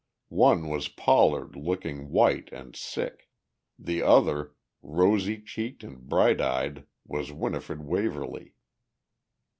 One was Pollard looking white and sick; the other, rosy cheeked and bright eyed, was Winifred Waverly.